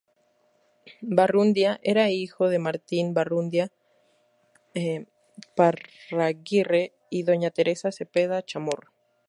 Barrundia era hijo de Martín Barrundia Iparraguirre y doña Teresa Cepeda Chamorro.